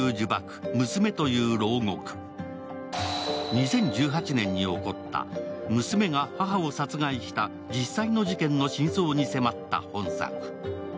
２０１８年に起こった娘が母を殺害した実際の事件の真相に迫った本作。